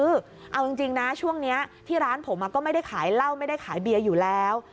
เอาจริงนะช่วงนี้ที่ร้านผมก็ไม่ได้ขายเหล้าไม่ได้ขายเบียร์อยู่แล้ว